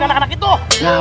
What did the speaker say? ada ustadz yang luyuy